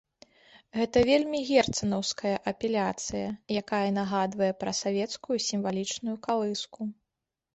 Гэта вельмі герцанаўская апеляцыя, якая нагадвае пра савецкую сімвалічную калыску.